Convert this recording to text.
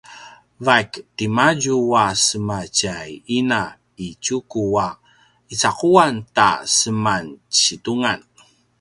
vaik timadju a sema tjay ina i Tjuku a icaquan ta seman situngan